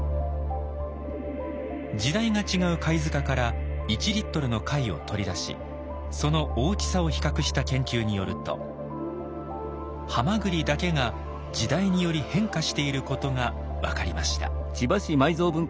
時代が違う貝塚から１リットルの貝を取り出しその大きさを比較した研究によるとハマグリだけが時代により変化していることが分かりました。